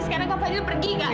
sekarang kak fadil pergi kak